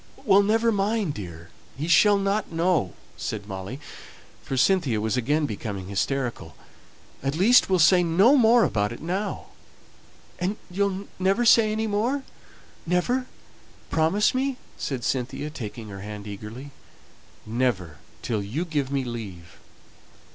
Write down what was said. "Well, never mind, dear; he shall not know," said Molly, for Cynthia was again becoming hysterical, "at least, we'll say no more about it now." "And you'll never say any more never promise me," said Cynthia, taking her hand eagerly. "Never till you give me leave.